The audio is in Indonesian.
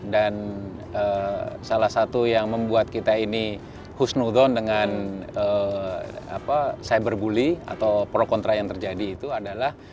dan salah satu yang membuat kita ini husnudon dengan cyber bully atau pro kontra yang terjadi itu adalah